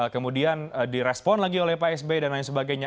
kemudian direspon lagi oleh pak sby dan lain sebagainya